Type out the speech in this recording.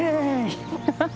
ハハハ！